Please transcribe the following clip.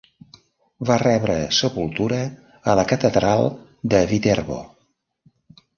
Va rebre sepultura a la catedral de Viterbo.